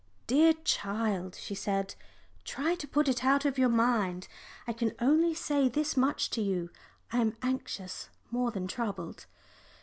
"Dear child," she said, "try to put it out of your mind. I can only say this much to you, I am anxious more than troubled.